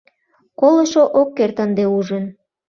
Колышо ок керт ынде ужын